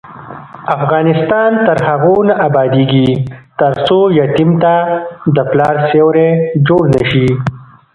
افغانستان تر هغو نه ابادیږي، ترڅو یتیم ته د پلار سیوری جوړ نشي.